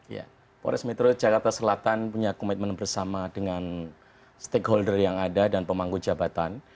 ya pores metro jakarta selatan punya komitmen bersama dengan stakeholder yang ada dan pemangku jabatan